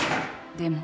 でも。